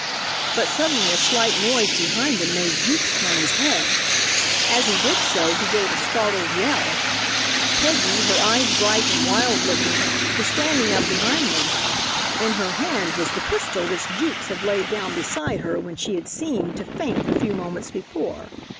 But suddenly a slight noise behind him made Jukes turn his head. As he did so he gave a startled yell. Peggy, her eyes bright and wild looking, was standing up behind them. In her hand was the pistol which Jukes had laid down beside her when she had seemed to faint a few moments before.